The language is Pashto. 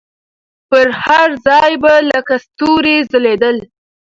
پر هر ځای به لکه ستوري ځلېدله